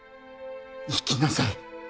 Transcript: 生きなさい。